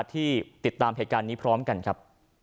ที่ติดตามพยายามนี้พร้อมกันครับ